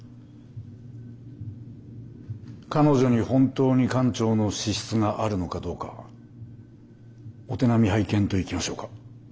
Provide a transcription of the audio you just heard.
彼女に本当に艦長の資質があるのかどうかお手並み拝見といきましょうか。